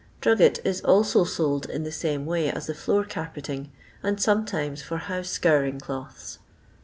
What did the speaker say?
Drugget is alco sold in the same way as the floor carpeting, and sometimes for house scouring cloths.